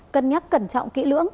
cân nhắc cẩn trọng kỹ lưỡng